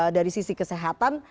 dan juga dari sisi kesehatan